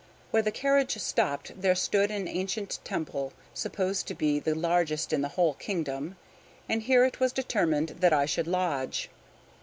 Where the carriage stopped there stood an ancient temple, supposed to be the largest in the whole kingdom, and here it was determined that I should lodge.